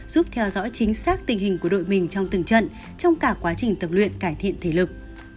giúp theo dõi chính xác tình hình của đội mình trong từng trận trong cả quá trình tập luyện cải thiện thể lực